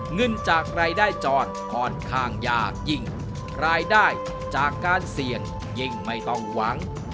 เงินจากรายได้จรค่อนข้างยากยิ่งรายได้จากการเสี่ยงยิ่งไม่ต้องหวัง